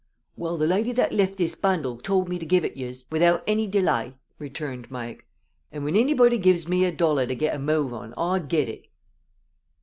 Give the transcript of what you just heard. "Well, the lady that lift this bundle tould me to give ut yez without anny delay," returned Mike. "And whin annybody gives me a dollar to get a move on I get ut."